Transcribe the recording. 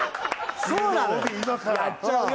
そうなのよ。